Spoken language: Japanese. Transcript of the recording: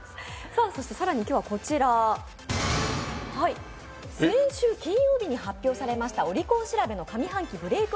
更に今日はこちら、先週金曜日に発表されましたオリコン調べの上半期ブレイク